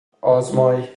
آزمای